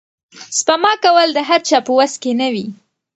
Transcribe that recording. سپما کول د هر چا په وس کې نه وي.